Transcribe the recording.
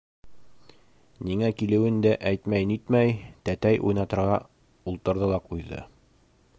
Ниңә килеүен дә әйтмәй-нитмәй, тәтәй уйнатырға ултырҙы ла ҡуйҙы.